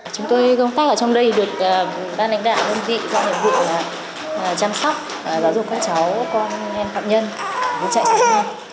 chúng tôi công tác ở trong đây được ban đánh đạo ngân dị doanh nghiệp vụ